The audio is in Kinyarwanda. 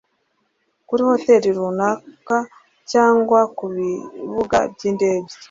kuri hoteli runaka cyangwa ku bibuga by’indege